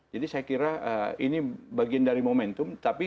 jadi saya kira ini bagian dari momentum